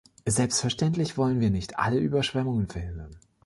Selbstverständlich wollen wir nicht alle Überschwemmungen verhindern.